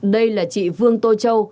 đây là chị vương tô châu